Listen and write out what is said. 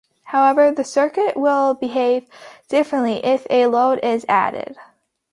However, the circuit will behave differently if a load is added.